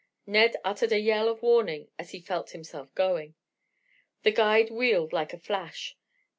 Ned uttered a yell of warning as he felt himself going. The guide wheeled like a flash.